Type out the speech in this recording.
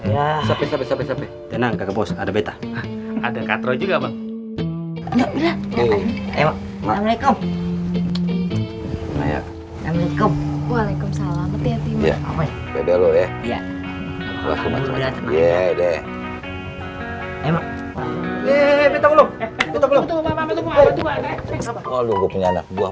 ya sampai sampai sampai sampai tenang kebos ada beta ada katro juga